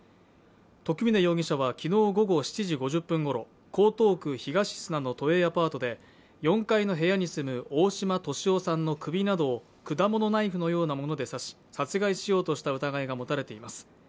徳峰容疑者は昨日午後７時５０分ごろ江東区東砂の都営アパートで４階の部屋に住む大嶋敏夫さんの首などを果物ナイフのようなもので刺し、殺害しようとした疑いが持たれています。